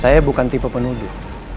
saya bukan tipe penuduh